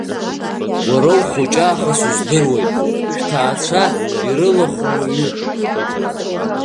Уара ухуҷы аахыс уздыруеит, шәҭаацәа ирылахуу уаҩуп!